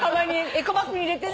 エコバッグに入れてね。